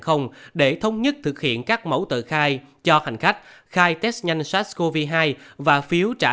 để thống nhất thực hiện các mẫu tờ khai cho hành khách khai test nhanh sars cov hai và phiếu trả